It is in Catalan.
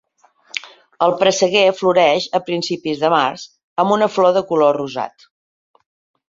El presseguer floreix a principis de març amb una flor de color rosat.